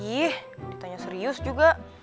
ih ditanya serius juga